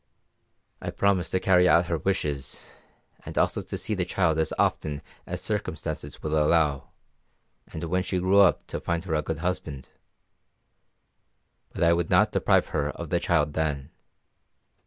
"I promised to carry out her wishes, and also to see the child as often as circumstances would allow, and when she grew up to find her a good husband. But I would not deprive her of the child then.